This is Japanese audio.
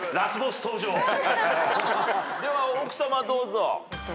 では奥さまどうぞ。